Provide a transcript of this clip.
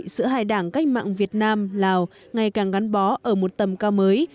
giữa hai đảng cách mạng việt nam lào ngày càng gắn bó ở một tầm cao mới